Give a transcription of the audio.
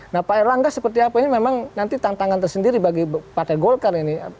nah pak erlangga seperti apa ini memang nanti tantangan tersendiri bagi partai golkar ini